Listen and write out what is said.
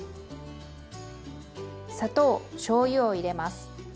砂糖しょうゆを入れます。